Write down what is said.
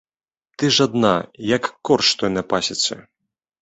Ты ж адна, як корч той на пасецы!